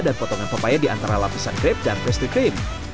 dan potongan papaya diantara lapisan crepes dan pastry cream